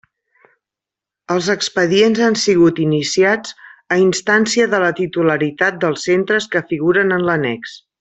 Els expedients han sigut iniciats a instància de la titularitat dels centres que figuren en l'annex.